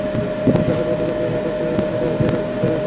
আশা করব, দুজন যেভাবে কাজ করে যাচ্ছে সেটা যেন ধরে রাখে।